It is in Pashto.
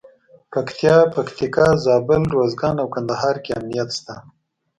پکتیا، پکتیکا، زابل، روزګان او کندهار کې امنیت شته.